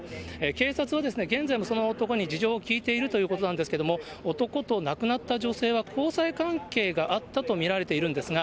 警察はですね、現在もその男に事情を聴いているということなんですけれども、男と亡くなった女性は交際関係があったと見られているんですが、